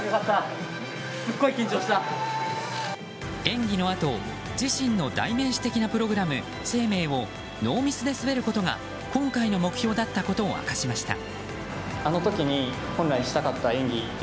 演技のあと自身の代名詞的なプログラム「ＳＥＩＭＥＩ」をノーミスで滑ることが今回の目標だったことを明かしました。